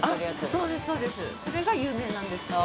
そうですそうですそれが有名なんです。